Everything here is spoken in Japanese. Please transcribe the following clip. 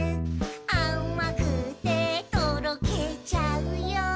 「あまくてとろけちゃうよ」